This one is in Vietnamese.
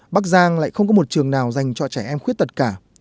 bắc giang lại không có một trường nào dành cho trẻ em khuyết tật cả